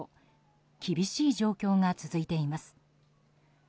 厳しい状況が続いています。